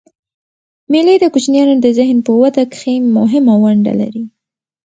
مېلې د کوچنيانو د ذهن په وده کښي مهمه ونډه لري.